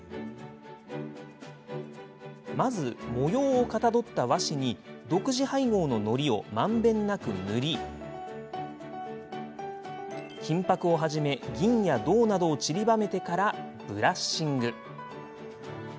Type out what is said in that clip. まず、模様をかたどった和紙に独自配合ののりをまんべんなく塗り金ぱくをはじめ銀や銅などを散りばめてからブラッシング。